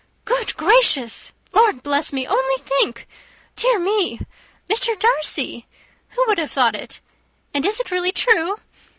"Good gracious! Lord bless me! only think! dear me! Mr. Darcy! Who would have thought it? And is it really true?